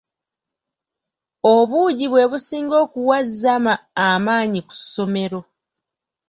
Obuugi bwe businga okuwa Zama amaanyi ku ssomero.